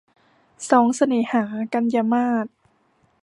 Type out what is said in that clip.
สองเสน่หา - กันยามาส